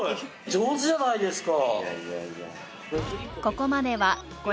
上手じゃないですか。